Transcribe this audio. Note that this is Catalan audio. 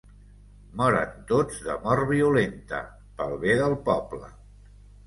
Moren tots de mort violenta, pel bé del poble.